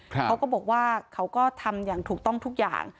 เขาก็บอกว่าเขาก็ทำอย่างถูกต้องทุกอย่าง